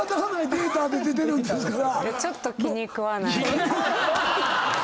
データで出てるんですから。